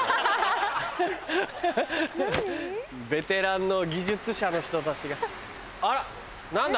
ベテランの技術者の人たちがあら何だ？